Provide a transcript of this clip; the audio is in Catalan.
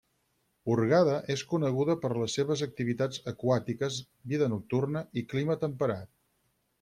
Hurghada és coneguda per les seves activitats aquàtiques, vida nocturna i clima temperat.